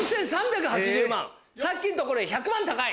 さっきの所より１００万高い！